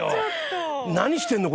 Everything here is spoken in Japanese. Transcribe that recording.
何してんの？